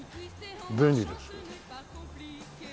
便利です。